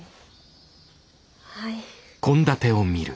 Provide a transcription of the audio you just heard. はい。